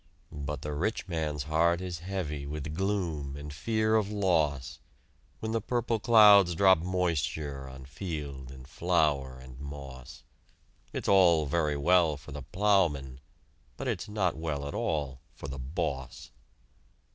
But the rich man's heart is heavy With gloom and fear of loss, When the purple clouds drop moisture On field and flower and moss; It's all very well for the plowman, But it's not well at all for the "Boss."